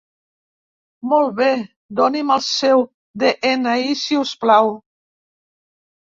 Molt bé, doni'm el seu de-ena-i si us plau.